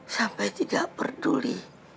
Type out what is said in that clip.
sampai tidak peduli